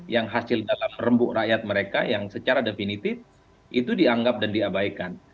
yang hasil dalam rembuk rakyat mereka yang secara definitif itu dianggap dan diabaikan